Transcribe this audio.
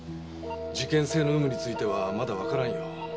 事件性の有無についてはまだわからんよ。